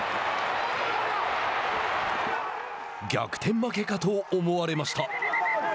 負けかと思われました。